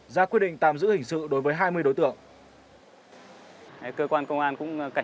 ra quyết định tạm giữ hình sự đối với hai mươi đối tượng